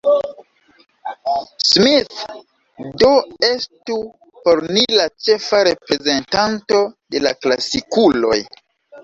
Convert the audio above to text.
Smith do estu por ni la ĉefa reprezentanto de la klasikuloj.